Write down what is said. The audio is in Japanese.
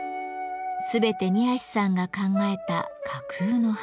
全て二さんが考えた架空の花。